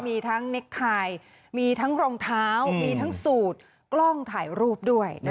มีทั้งเน็กไฮมีทั้งรองเท้ามีทั้งสูตรกล้องถ่ายรูปด้วย